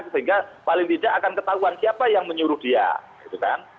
sehingga paling tidak akan ketahuan siapa yang menyuruh dia gitu kan